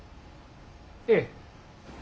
ええ。